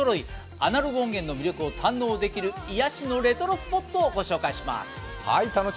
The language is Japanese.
アナログ音源の魅力を堪能できる癒やしのレトロスポットをご紹介します。